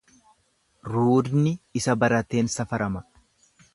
Ruudni isa barateen safarama.